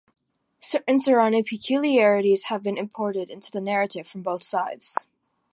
Certain surrounding peculiarities have been imported into the narrative from both sites.